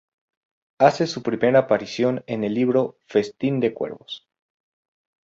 Hace su primera aparición en el libro "Festín de cuervos".